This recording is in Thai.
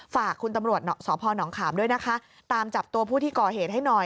ฝากคุณตำรวจสพนขามด้วยนะคะตามจับตัวผู้ที่ก่อเหตุให้หน่อย